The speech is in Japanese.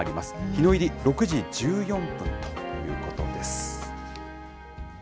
日の入り６時１４分ということです。